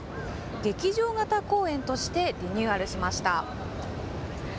劇場型公園としてリニューアルしました。